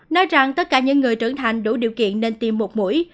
nói rằng tất cả những người trưởng thành đủ điều kiện nên tiêm một mũi